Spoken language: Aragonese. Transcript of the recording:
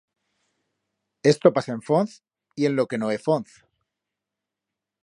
Esto pasa en Fonz, y en lo que no é Fonz.